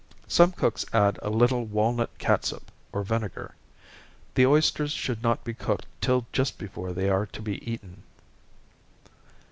Some cooks add a little walnut catsup, or vinegar. The oysters should not be cooked till just before they are to be eaten.